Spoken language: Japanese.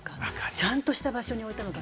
ちゃんとした場所に置いたのか。